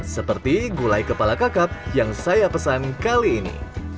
seperti gulai kepala kakap yang saya pesan kali ini